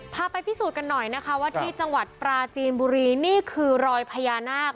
พาไปพิสูจน์กันหน่อยนะคะว่าที่จังหวัดปราจีนบุรีนี่คือรอยพญานาค